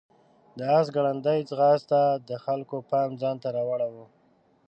د آس ګړندی ځغاست د خلکو پام ځان ته راواړاوه.